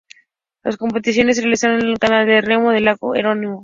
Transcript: Las competiciones se realizaron en el canal de remo del lago homónimo.